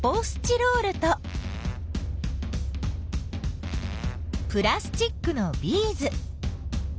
スチロールとプラスチックのビーズ。